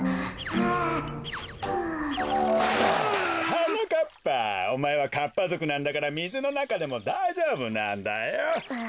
はなかっぱおまえはかっぱぞくなんだからみずのなかでもだいじょうぶなんだよ。